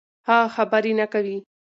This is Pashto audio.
هغه خبرې نه کوي.